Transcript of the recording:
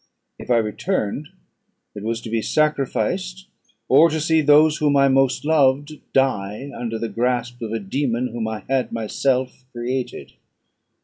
If I returned, it was to be sacrificed, or to see those whom I most loved die under the grasp of a dæmon whom I had myself created.